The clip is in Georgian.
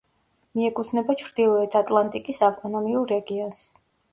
მიეკუთვნება ჩრდილოეთ ატლანტიკის ავტონომიურ რეგიონს.